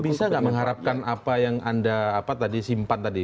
tapi bisa nggak mengharapkan apa yang anda simpan tadi